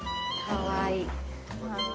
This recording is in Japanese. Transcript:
かわいい！